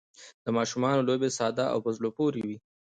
د ماشومانو لوبې ساده او په زړه پورې وي.